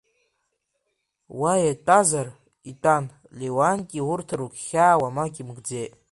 Уа итәазар итәан, Леуанти урҭ ргәхьаа уамак имкӡеит.